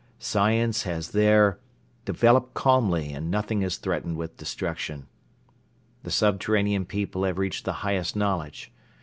Science has there developed calmly and nothing is threatened with destruction. The subterranean people have reached the highest knowledge.